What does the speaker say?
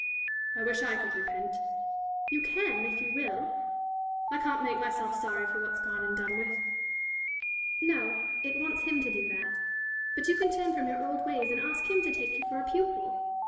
"I wish I could repent." "You can, if you will." "I can't make myself sorry for what's gone and done with." "No; it wants him to do that. But you can turn from your old ways, and ask him to take you for a pupil.